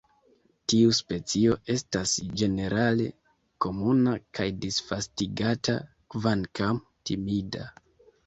Tiu specio estas ĝenerale komuna kaj disvastigata, kvankam timida.